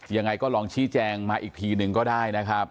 ยังไงก็ลองชี้แจงมาอีกทีหนึ่งก็ได้นะครับ